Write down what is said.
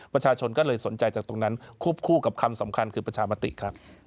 ประชาชนก็เลยสนใจจากตรงนั้นควบคู่กับคำสำคัญคือประชามติครับ